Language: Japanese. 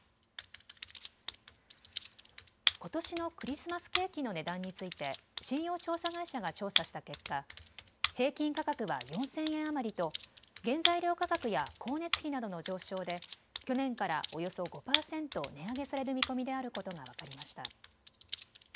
ことしのクリスマスケーキの値段について信用調査会社が調査した結果、平均価格は４０００円余りと原材料価格や光熱費などの上昇で去年からおよそ５％値上げされる見込みであることが分かりました。